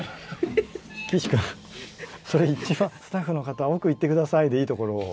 それ「スタッフの方奥行ってください」でいいところを。